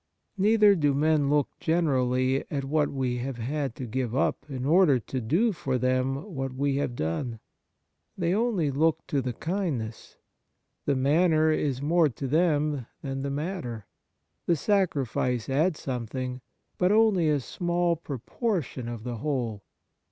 Neither do men look generally at what we have had to give up in order to do for them what we have done. They only look to the kind ness ; the manner is more to them than the matter ; the sacrifice adds something, but only a small proportion of the whole.